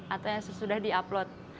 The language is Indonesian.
atau yang sudah di upload